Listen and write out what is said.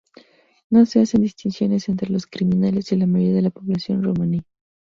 No se hacen distinciones entre los criminales y la mayoría de la población romaní.